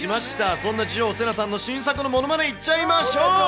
そんな自称王、セナさんのものまねいっちゃいましょう。